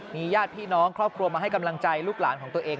ญาติพี่น้องครอบครัวมาให้กำลังใจลูกหลานของตัวเอง